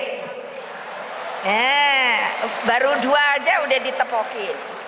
heee baru dua aja udah ditepukin